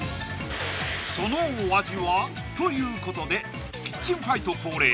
「そのお味は？」ということでキッチンファイト恒例